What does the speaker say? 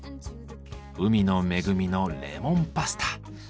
海の恵みのレモンパスタ。